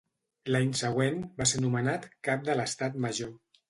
L'any següent va ser nomenat cap de l'estat major.